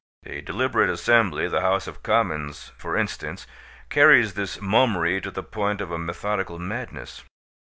A deliberate assembly, the House of Commons, for instance, carries this mummery to the point of a methodical madness.